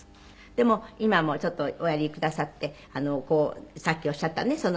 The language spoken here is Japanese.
でも今もちょっとおやりくださってこうさっきおっしゃったね